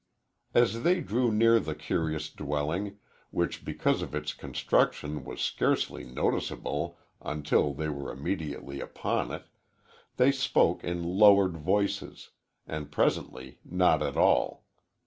As they drew near the curious dwelling, which because of its construction was scarcely noticeable until they were immediately upon it, they spoke in lowered voices, and presently not at all.